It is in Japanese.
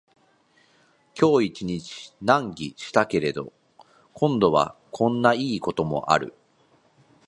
今日一日難儀したけれど、今度はこんないいこともある